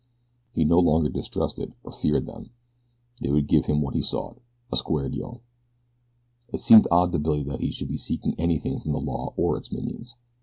He no longer distrusted or feared them. They would give him what he sought a square deal. It seemed odd to Billy that he should be seeking anything from the law or its minions.